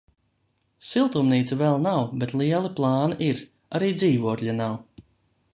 Siltumnīca vēl nav bet lieli plāni ir, arī dzīvokļa nav.